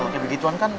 kayak begitu kan